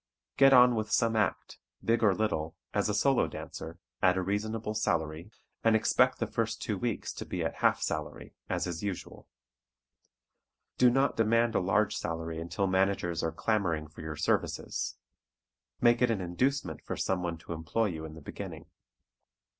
Get on with some act, big or little, as a solo dancer, at a reasonable salary, and expect the first two weeks to be at half salary, as is usual. Do not demand a large salary until managers are clamoring for your services make it an inducement for someone to employ you in the beginning.